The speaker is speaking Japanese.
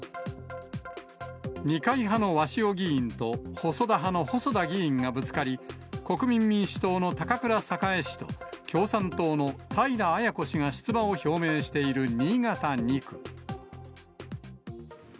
二階派の鷲尾議員と、細田派の細田議員がぶつかり、国民民主党の高倉栄氏と共産党の平あや子氏が出馬を表明している新潟２区。